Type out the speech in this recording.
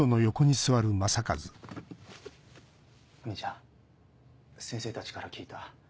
フミちゃん先生たちから聞いた。